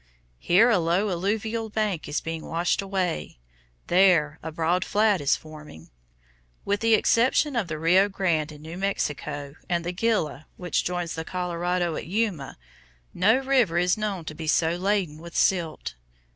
Here a low alluvial bank is being washed away, there a broad flat is forming. With the exception of the Rio Grande in New Mexico, and the Gila, which joins the Colorado at Yuma, no other river is known to be so laden with silt.